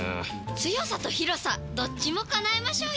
強さと広さどっちも叶えましょうよ！